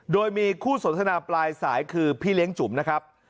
โดยมีคู่สนทนาปลายสายคือพี่เลี้ยงจุ๋มนะครับ